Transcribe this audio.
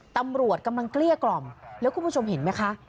ตำรวจกำลังเกลี้ยกล่อมแล้วคุณผู้ชมเห็นไหมคะ